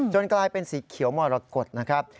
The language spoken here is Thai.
กลายเป็นสีเขียวมรกฏนะครับ